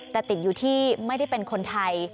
แต่ติดอยู่ที่ไม่ได้เป็นคนไทย